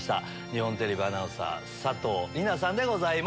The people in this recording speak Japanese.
日本テレビアナウンサー佐藤梨那さんです。